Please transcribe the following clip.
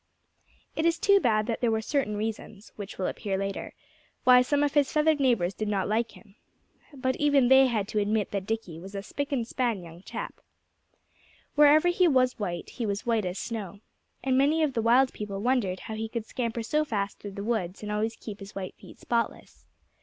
It is too bad that there were certain reasons which will appear later why some of his feathered neighbors did not like him. But even they had to admit that Dickie was a spick and span young chap. Wherever he was white he was white as snow. And many of the wild people wondered how he could scamper so fast through the woods and always keep his white feet spotless.